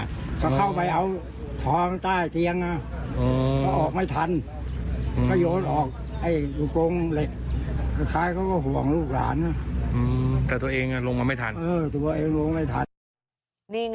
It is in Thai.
นี่ไง